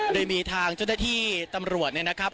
โดยมีทางช่วยได้ที่ตำรวจนะครับ